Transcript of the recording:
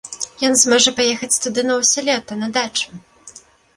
Ён жа зможа паехаць туды на ўсё лета, на дачу!